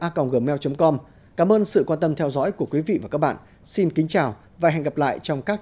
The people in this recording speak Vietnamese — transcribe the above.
a gmail com cảm ơn sự quan tâm theo dõi của quý vị và các bạn xin kính chào và hẹn gặp lại trong các